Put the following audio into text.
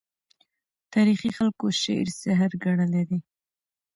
تاریخي خلکو شعر سحر ګڼلی دی.